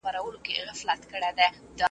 چي پر چا د نعمتونو باران اوري .